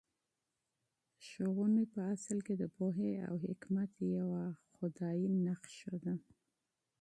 استاد په حقیقت کي د پوهې او حکمت یوه ابدي ډالۍ ده.